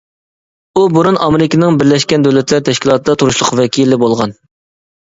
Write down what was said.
ئۇ بۇرۇن ئامېرىكىنىڭ بىرلەشكەن دۆلەتلەر تەشكىلاتىدا تۇرۇشلۇق ۋەكىلى بولغان.